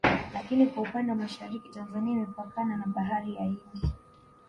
Lakini kwa upande wa Mashariki Tanzania imepakana na Bahari ya Hindi